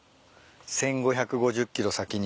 １，５５０ｋｍ先に。